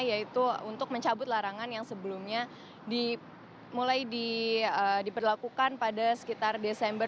yaitu untuk mencabut larangan yang sebelumnya dimulai diperlakukan pada sekitar desember dua ribu empat belas